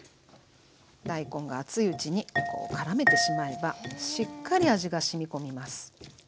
大根が熱いうちにこうからめてしまえばしっかり味がしみ込みます。